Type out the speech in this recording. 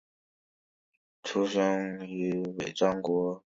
出生于尾张国。